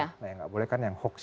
nah yang nggak boleh kan yang hoax